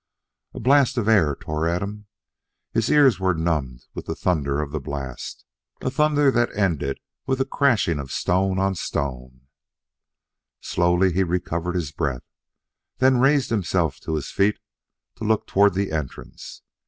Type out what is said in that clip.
A blast of air tore at him; his ears were numbed with the thunder of the blast a thunder that ended with a crashing of stone on stone.... Slowly he recovered his breath; then raised himself to his feet to look toward the entrance.